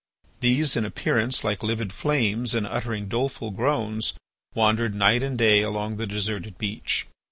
These, in appearance like livid flames, and uttering doleful groans, wandered night and day along the deserted beach.